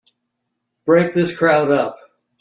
Break this crowd up!